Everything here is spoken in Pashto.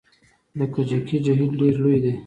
د کجکي جهیل ډیر لوی دی